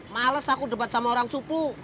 males aku debat sama orang supu